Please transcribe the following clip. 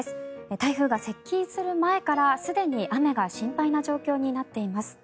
台風が接近する前からすでに雨が心配な状況になっています。